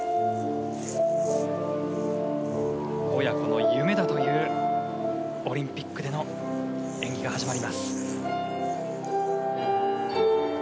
親子の夢だというオリンピックでの演技が始まります。